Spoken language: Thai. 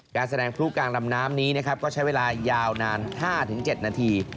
การแสดงพลุกลางลำน้ำนี้นะครับก็ใช้เวลายาวนาน๕๗นาที